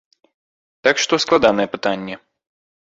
Так што складанае пытанне.